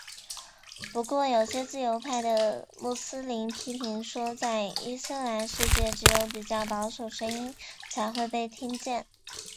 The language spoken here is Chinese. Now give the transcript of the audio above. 不过有些自由派的穆斯林批评说在伊斯兰世界只有比较保守声音才会被听见。